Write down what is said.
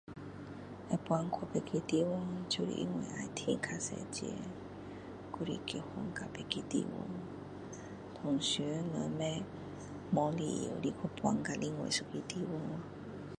会搬去别的地方就是赚比较多钱还是结婚去别的地方通常人不会没有理由去搬到另外一个地方